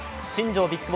新庄